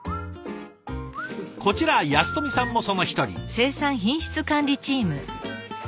こちら安富さんもその一人。